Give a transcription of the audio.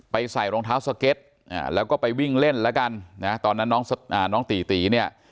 ใส่รองเท้าสเก็ตแล้วก็ไปวิ่งเล่นแล้วกันนะตอนนั้นน้องตีตีเนี่ย